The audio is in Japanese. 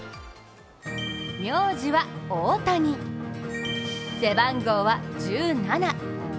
名字は大谷、背番号は１７。